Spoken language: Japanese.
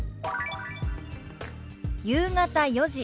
「夕方４時」。